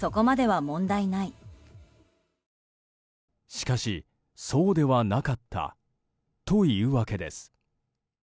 しかし、そうではなかったというわけです。